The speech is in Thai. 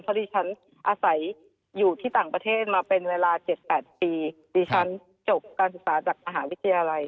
เพราะดิฉันอาศัยอยู่ที่ต่างประเทศมาเป็นเวลา๗๘ปีดิฉันจบการศึกษาจากมหาวิทยาลัย